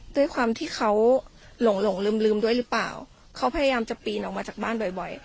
ด้วยความที่เขาหลงหลงลืมลืมด้วยหรือเปล่าเขาพยายามจะปีนออกมาจากบ้านบ่อยบ่อย